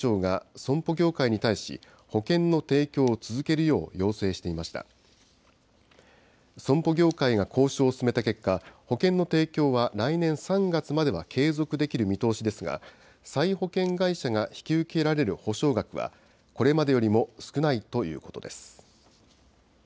損保業界が交渉を進めた結果、保険の提供は来年３月までは継続できる見通しですが、再保険会社が引き受けられる補償額は、これまでよりも少ないということです。